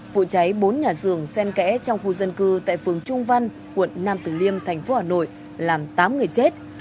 vụ cháy bốn nhà xưởng xen kẽ trong khu dân cư tại phường trung văn quận nam tử liêm thành phố hà nội làm tám người chết